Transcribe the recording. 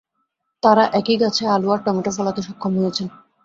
তাঁরা একই গাছে আলু আর টমেটো ফলাতে সক্ষম হয়েছেন।